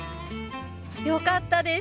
良かったです。